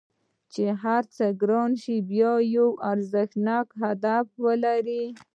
چې هر ګران شی باید یو ارزښتناک هدف ولري